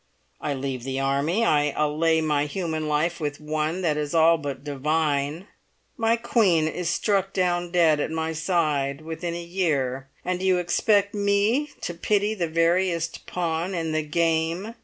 I leave the army. I ally my human life with one that is all but divine. My Queen is struck down dead at my side within a year. And you expect me to pity the veriest pawn in the game!"